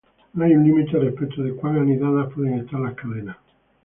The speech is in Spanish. No hay un límite respecto de cuán anidadas pueden estar las cadenas.